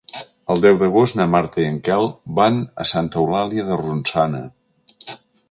El deu d'agost na Marta i en Quel van a Santa Eulàlia de Ronçana.